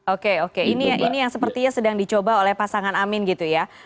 oke oke ini yang sepertinya sedang dicoba oleh pasangan amin gitu ya